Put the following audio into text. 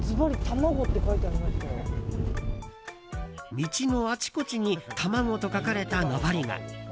道のあちこちに「たまご」と書かれたのぼりが。